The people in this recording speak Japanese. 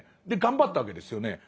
で頑張ったわけですよね。